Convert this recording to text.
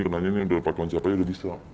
kenanya ini udah pake kunci apa aja udah bisa